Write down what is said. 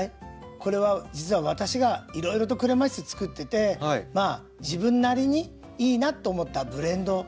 これは実は私がいろいろとクレマチスつくっててまあ自分なりにいいなと思ったブレンドの土になります。